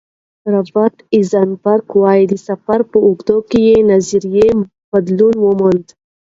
رابرټ ایزنبرګ وايي، د سفر په اوږدو کې نظر یې بدلون وموند.